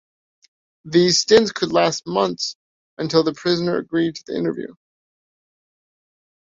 These stints could last months - until the prisoner agreed to the interview.